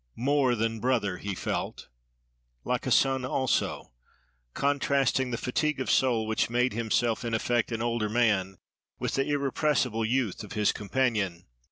"More than brother!"—he felt—like a son also!" contrasting the fatigue of soul which made himself in effect an older man, with the irrepressible youth of his companion.